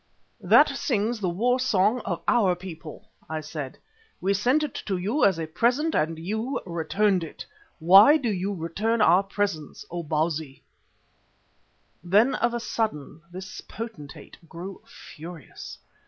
"That sings the war song of our people," I said. "We sent it to you as a present and you returned it. Why do you return our presents, O Bausi?" Then of a sudden this potentate grew furious.